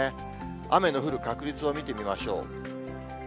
雨の降る確率を見てみましょう。